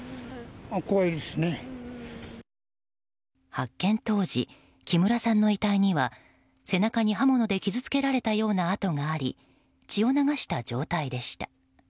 発見当時、木村さんの遺体には背中に刃物で傷つけられたような跡があり血を流した状態でした。